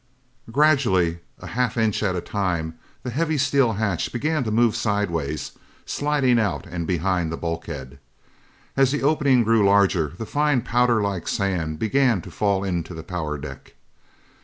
Gradually, a half inch at a time, the heavy steel hatch began to move sideways, sliding out and behind the bulkhead. And as the opening grew larger the fine powderlike sand began to fall into the power deck.